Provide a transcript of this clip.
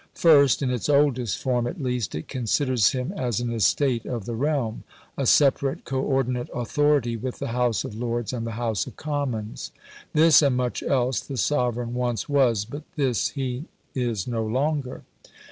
First, in its oldest form at least, it considers him as an "Estate of the Realm," a separate co ordinate authority with the House of Lords and the House of Commons. This and much else the sovereign once was, but this he is no longer.